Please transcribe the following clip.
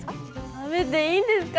食べていいんですか！